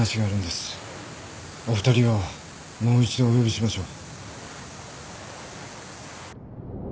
お二人をもう一度お呼びしましょう。